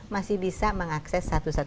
masih bisa mengakses satu ratus dua belas